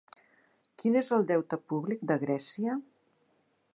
Quin és el deute públic de Grècia?